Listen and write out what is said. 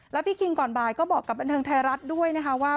แล้วพี่คิงก่อนบ่ายก็บอกกับบันเทิงไทยรัฐด้วยนะคะว่า